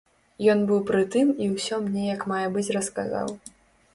Ён быў пры тым і ўсё мне як мае быць расказаў.